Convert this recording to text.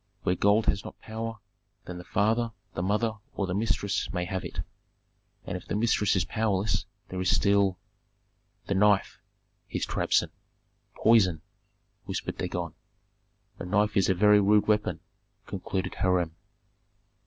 "Where gold has not power, then the father, the mother, or the mistress may have it. And if the mistress is powerless, there is still " "The knife," hissed Rabsun. "Poison," whispered Dagon. "A knife is a very rude weapon," concluded Hiram.